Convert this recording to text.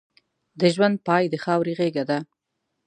د ژوند پای د خاورې غېږه ده.